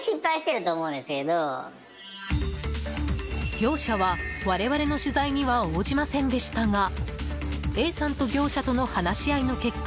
業者は我々の取材には応じませんでしたがＡさんと業者との話し合いの結果